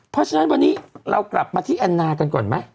เพราะฉะนั้นวันนี้เรากลับมาที่แอนนากันก่อนไหม